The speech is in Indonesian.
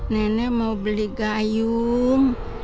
nenek mau beli gayung